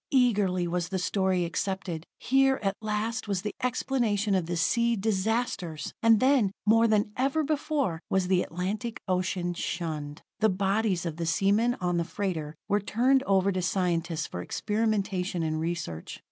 Eagerly was the story accepted: here, at last, was the explanation of the sea disasters! And then, more than ever before, was the Atlantic ocean shunned. The bodies of the seamen on the freighter were turned over to scientists for experimentation and research.